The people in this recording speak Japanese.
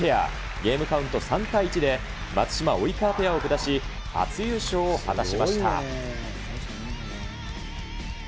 ゲームカウント３対１で、松島・及川ペアを下し、初優勝を果たしました。